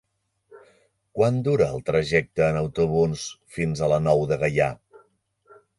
Quant dura el trajecte en autobús fins a la Nou de Gaià?